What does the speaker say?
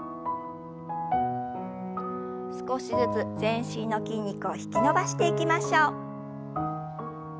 少しずつ全身の筋肉を引き伸ばしていきましょう。